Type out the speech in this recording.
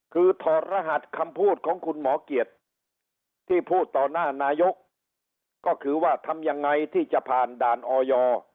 คือถอดรหัสคำพูดของคุณหมอเกียรติที่พูดต่อหน้านายกก็คือว่าทำยังไงที่จะผ่านด่านออย